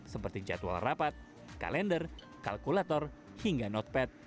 seperti jadwal rapat kalender kalkulator hingga notepad